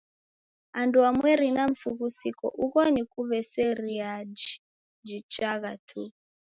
Anduamweri na msughusiko ugho ni kuw'eseriaiji jichagha tu.